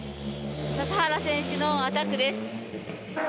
笹原選手のアタックです。